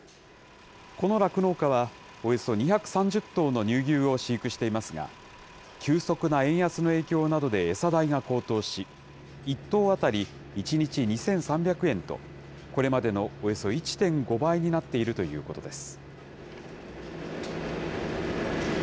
この酪農家は、およそ２３０頭の乳牛を飼育していますが、急速な円安の影響などで餌代が高騰し、１頭当たり１日２３００円と、これまでのおよそ１．５倍になっているということです。